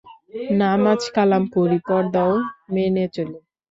নামাজ-কালাম পড়ি, পর্দাও মেনে চলি।